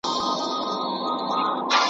ویل سته خو عمل نسته